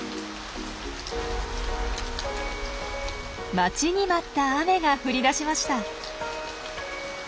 待ちに待った雨が降りだしました。